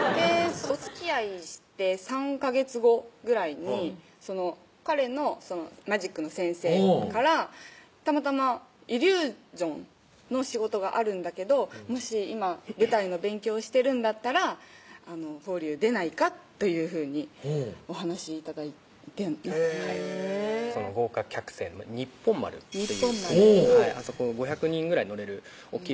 おつきあいして３ヵ月後ぐらいに彼のマジックの先生からたまたまイリュージョンの仕事があるんだけどもし今舞台の勉強してるんだったら峰龍出ないかというふうにお話頂いて豪華客船のにっぽん丸っていうあそこ５００人ぐらい乗れる大っきい